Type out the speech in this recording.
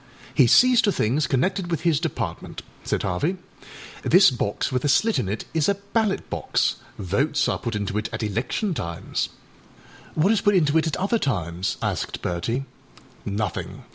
âHe sees to things connected with his Department,â said Harvey. âThis box with a slit in it is a ballot box. Votes are put into it at election times.â âWhat is put into it at other times?â asked Bertie. âNothing.